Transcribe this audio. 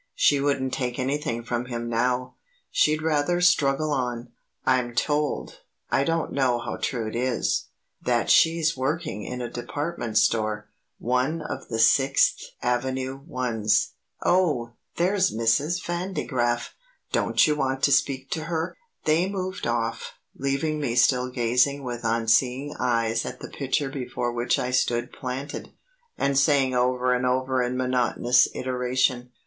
She wouldn't take anything from him now. She'd rather struggle on. I'm told I don't know how true it is that she's working in a department store; one of the Sixth Avenue ones. Oh, there's Mrs. Vandegraff! Don't you want to speak to her?" They moved off, leaving me still gazing with unseeing eyes at the picture before which I stood planted, and saying over and over in monotonous iteration, "One of the department stores in Sixth Avenue!